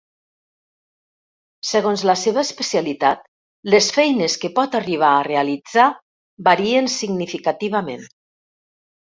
Segons la seva especialitat, les feines que pot arribar a realitzar varien significativament.